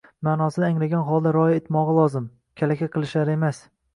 ma’nosini anglagan holda rioya etmog‘i lozim, kalaka qilishlari emas.